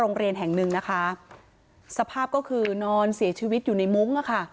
โรงเรียนแห่งหนึ่งนะคะสภาพก็คือนอนเสียชีวิตอยู่ในมุ้งอะค่ะ